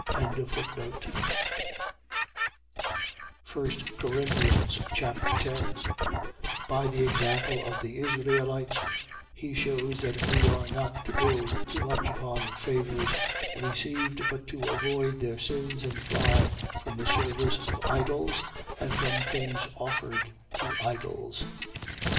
1 Corinthians Chapter 10 By the example of the Israelites, he shews that we are not to build too much upon favours received but to avoid their sins and fly from the service of idols and from things offered to idols.